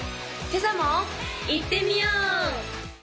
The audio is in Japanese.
今朝もいってみよう！